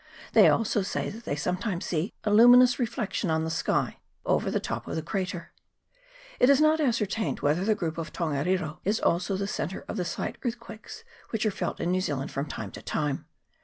They also say that they sometimes see a luminous reflection on the sky over the top of the crater. It is not ascertained whether the group of Tongariro is also the centre of the slight earthquakes which are felt in New Zealand from time to time.